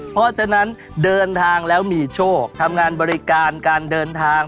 เพราะฉะนั้นเดินทางแล้วมีโชคทำงานบริการการเดินทาง